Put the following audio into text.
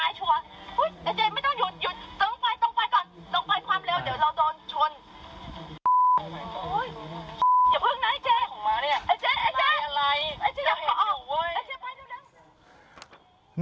ไอ้เจไอ้เจไอ้เจอย่าพอออก